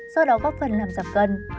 do đó góp phần làm giảm cân